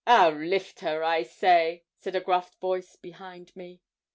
'I'll lift her, I say!' said a gruff voice behind me.